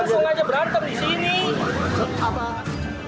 langsung aja berantem di sini